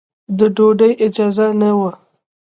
د ډوډۍ اجازه نه وه.